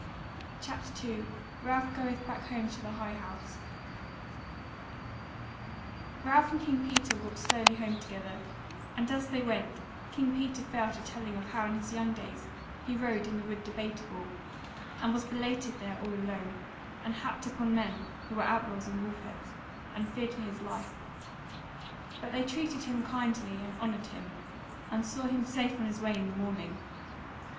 CHAPTER 2 Ralph Goeth Back Home to the High House Ralph and King Peter walked slowly home together, and as they went King Peter fell to telling of how in his young days he rode in the Wood Debateable, and was belated there all alone, and happed upon men who were outlaws and wolfheads, and feared for his life; but they treated him kindly, and honoured him, and saw him safe on his way in the morning.